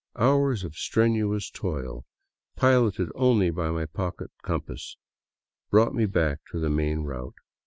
Hours pf strenuous toil, piloted only by my pocket compass, brought me back to the main route.